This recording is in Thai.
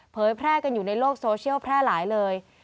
แพร่กันอยู่ในโลกโซเชียลแพร่หลายเลย